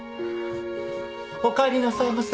おかえりなさいませ。